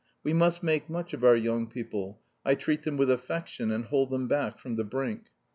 We must make much of our young people; I treat them with affection and hold them back from the brink."